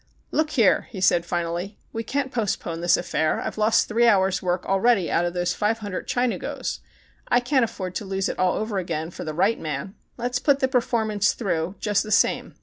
"Look here," he said finally, "we can't postpone this affair. I've lost three hours' work already out of those five hundred Chinagos. I can't af i82 THE CHINAGO ford to lose it all over again for the right man. Let's put the performance through just the same.